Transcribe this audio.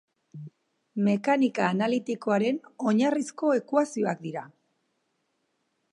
Mekanika analitikoaren oinarrizko ekuazioak dira.